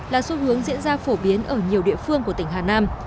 là xu hướng diễn ra phổ biến ở nhiều địa phương của tỉnh hà nam